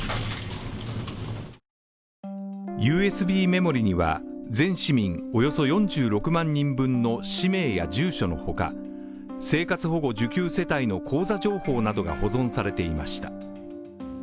ＵＳＢメモリーには全市民およそ４６万人分の氏名や住所のほか生活保護受給世帯の口座情報などが保存されていました。